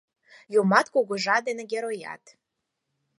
Юмат, кугыжа ден героят...